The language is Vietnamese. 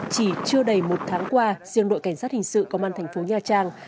chỉ chưa đầy một tháng qua riêng đội cảnh sát hình sự công an thành phố nha trang